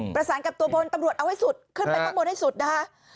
ประสานกับตัวบนตำรวจเอาให้สุดขึ้นไปข้างบนให้สุดนะคะ